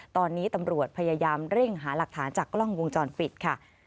ตอนนี้ตำรวจพยายามเร่งหาหลักฐานจากกล้องวงจรปิดค่ะ